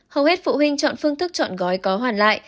hầu hết phụ huynh chọn phương thức chọn gói có hoàn lại